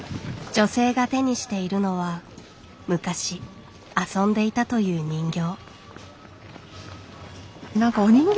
女性が手にしているのは昔遊んでいたという人形。